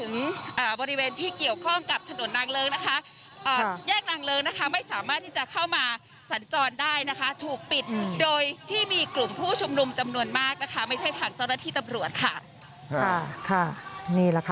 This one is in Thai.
นะคะไม่สามารถที่จะเข้ามาสันจรได้นะคะถูกปิดโดยที่มีกลุ่มผู้ชุมรุมจำนวนมากนะคะไม่ใช่ทางเจ้าหน้าที่ตำรวจค่ะค่ะค่ะนี่แหละค่ะ